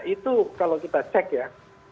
itu kalau kita cek ya